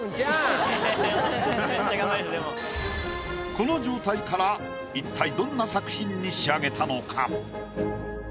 この状態から一体どんな作品に仕上げたのか？